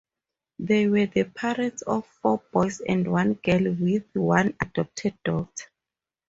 They were the parents of four boys and one girl with one adopted daughter.